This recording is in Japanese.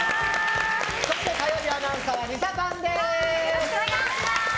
そして火曜アナウンサーはリサパンです！